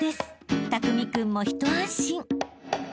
［たくみ君もひと安心］